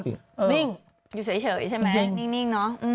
นิ่งอยู่เฉยใช่ไหมนิ่งเนอะ